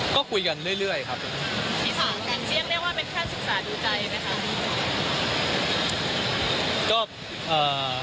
ก็คุยกันเรื่อยเรื่อยครับคุยกันเป็นที่ยังได้ว่าเป็นขั้นศึกษาดูใจไหมคะ